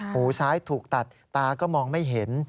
หูซ้ายถูกตัดตาก็มองไม่เห็น